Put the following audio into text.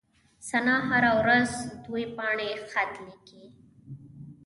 ثنا هره ورځ دوې پاڼي خط ليکي.